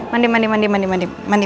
mandi mandi mandi mandi